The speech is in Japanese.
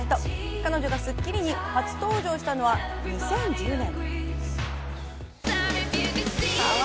彼女が『スッキリ』に初登場したのは２０１０年。